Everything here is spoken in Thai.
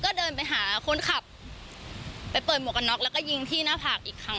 ก็เดินไปหาคนขับไปเปิดหมวกกันน็อกแล้วก็ยิงที่หน้าผากอีกครั้ง